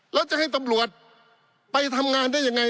แล้วจะให้ตำรวจไปทำงานได้ยังไง